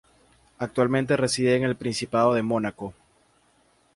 Actualmente reside en el Principado de Mónaco.